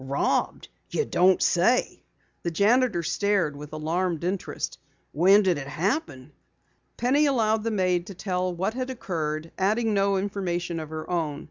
"Robbed! You don't say!" The janitor stared with alarmed interest. "When did it happen?" Penny allowed the maid to tell what had occurred, adding no information of her own.